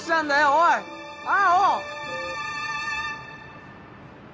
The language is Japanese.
おい青！